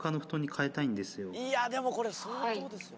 いやでもこれ相当ですよ。